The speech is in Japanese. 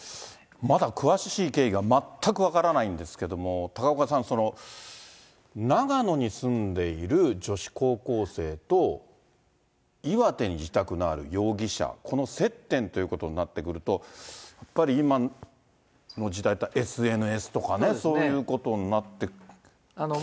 まだ詳しい経緯が全く分からないんですけれども、高岡さん、その長野に住んでいる女子高校生と、岩手に自宅のある容疑者、この接点っていうことになってくると、やっぱり今の時代、ＳＮＳとかね、そういうことになってきますね。